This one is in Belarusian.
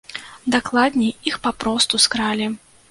Дакладней, іх папросту скралі.